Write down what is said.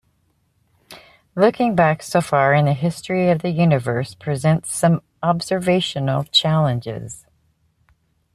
Looking back so far in the history of the universe presents some observational challenges.